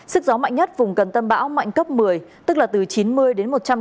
sức gió mạnh nhất vùng gần tâm bão mạnh cấp một mươi tức là từ chín mươi đến một trăm linh